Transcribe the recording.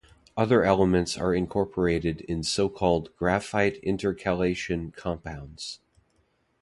Other elements are also incorporated in so-called graphite intercalation compounds.